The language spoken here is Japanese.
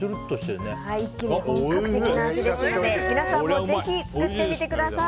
一気に本格的な味ですので皆さんもぜひ作ってみてください。